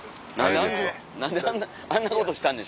何であんなことしたんでしょうね。